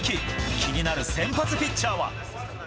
気になる先発ピッチャーは。